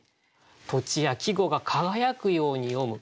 土地や季語が輝くように詠む。